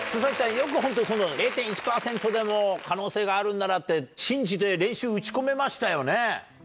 よくホントに０．１％でも可能性があるんならって信じて練習打ち込めましたよね？